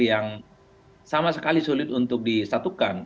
yang sama sekali sulit untuk disatukan